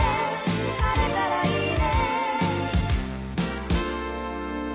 「晴れたらいいね」